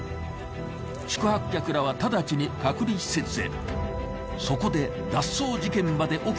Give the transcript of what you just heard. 宿泊客らは直ちに隔離施設へ。